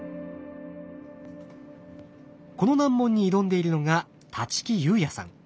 この難問に挑んでいるのが立木佑弥さん。